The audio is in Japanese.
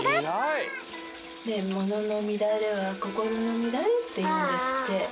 「もののみだれはこころのみだれ」っていうんですって。